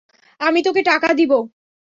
আমি তোকে টাকা দিব।